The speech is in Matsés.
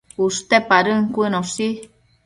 ushte padën cuënoshi